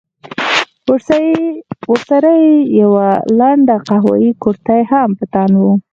ورسره يې يوه لنډه قهويي کورتۍ هم په تن وه.